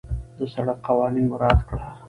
د سړک قوانين مراعت کړه.